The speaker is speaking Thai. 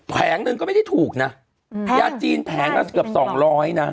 แผงหนึ่งก็ไม่ได้ถูกนะแผงแผงก็เกือบ๒๐๐นะ